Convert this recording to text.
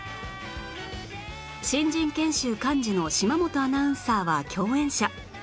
新人研修幹事の島本アナウンサーは共演者